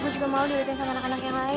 gue juga mau dilihatin sama anak anak yang lain